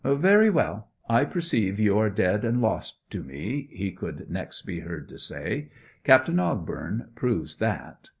'Very well. I perceive you are dead and lost to me,' he could next be heard to say, '"Captain Ogbourne" proves that.